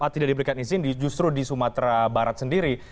tidak diberikan izin justru di sumatera barat sendiri